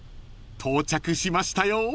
［到着しましたよ］